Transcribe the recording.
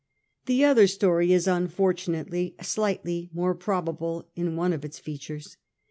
The other story is, unfortunately, slightly more probable in one of its features.